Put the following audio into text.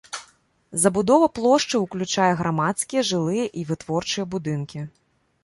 Забудова плошчы ўключае грамадскія, жылыя і вытворчыя будынкі.